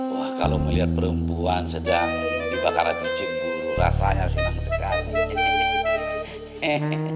wah kalau melihat perempuan sedang dibakar abis cipu rasanya senang sekali hehehe